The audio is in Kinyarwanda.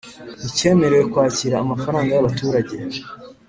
nticyemerewe kwakira amafaranga y abaturage